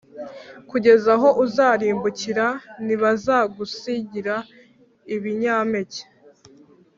kugeza aho uzarimbukira.+ ntibazagusigira ibinyampeke,